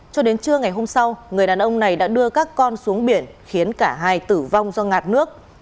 cho đến trưa ngày hôm sau người đàn ông này đã đưa các con xuống biển khiến cả hai tử vong do ngạt nước